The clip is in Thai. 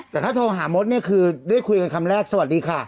แต่ถ้าโทรหามดเนี่ยคือได้คุยกันคำแรกสวัสดีค่ะ